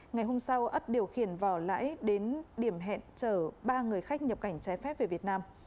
ngày hôm sau ất điều khiển vỏ lãi đến điểm hẹn chở ba người khách nhập cảnh trái phép về việt nam